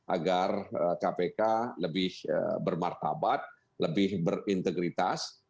agar kpk lebih bermartabat lebih berintegritas